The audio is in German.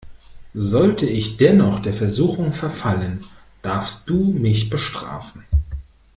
Sollte ich dennoch der Versuchung verfallen, darfst du mich bestrafen.